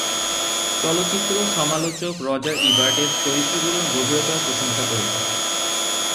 চলচ্চিত্র সমালোচক Roger Ebert এর চরিত্রগুলোর গভীরতার প্রশংসা করেছেন।